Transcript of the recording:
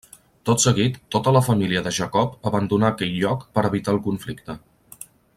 Tot seguit, tota la família de Jacob abandonà aquell lloc per evitar el conflicte.